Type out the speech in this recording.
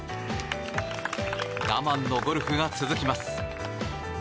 我慢のゴルフが続きます。